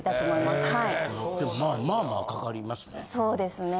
まあまあかかりますね。